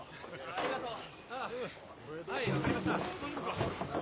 ありがとう。